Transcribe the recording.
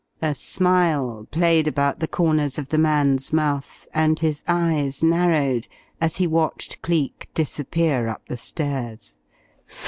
A smile played about the corners of the man's mouth, and his eyes narrowed, as he watched Cleek disappear up the stairs.